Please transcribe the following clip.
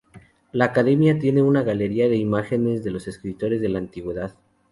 La academia tiene una galería de imágenes de los escritores de la antigüedad.